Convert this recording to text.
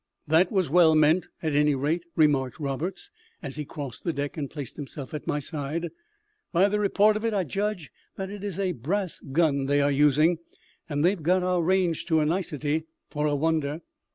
"That was well meant, at any rate," remarked Roberts, as he crossed the deck and placed himself at my side. "By the report of it I judge that it is a brass gun they are using, and they've got our range to a nicety, for a wonder."